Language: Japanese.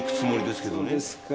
そうですか。